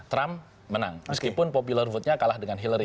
trump menang meskipun popular vote nya kalah dengan hillary